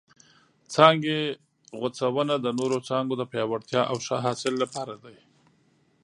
څانګې غوڅونه د نورو څانګو د پیاوړتیا او ښه حاصل لپاره ده.